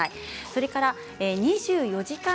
それから２４時間